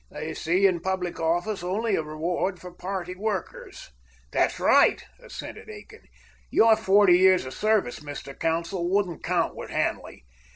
They see in public office only a reward for party workers." "That's right," assented Aiken. "Your forty years' service, Mr. Consul, wouldn't count with Hanley.